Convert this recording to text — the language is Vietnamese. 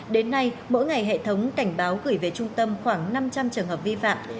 đến nay mỗi ngày hệ thống cảnh báo gửi về trung tâm khoảng năm trăm linh trường hợp vi phạm